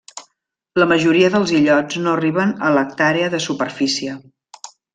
La majoria dels illots no arriben a l'hectàrea de superfície.